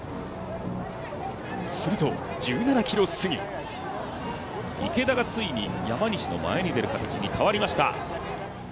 すると、１７ｋｍ過ぎ池田がついに山西の前に出る形に変わりました。